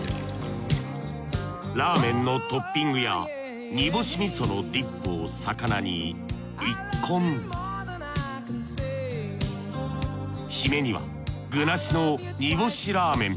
ラーメンのトッピングや煮干味噌のディップを肴に一献シメには具なしの煮干しラーメン。